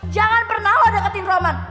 jangan pernah lu deketin romand